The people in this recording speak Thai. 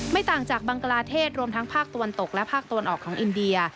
ต่างจากบังกลาเทศรวมทั้งภาคตะวันตกและภาคตะวันออกของอินเดีย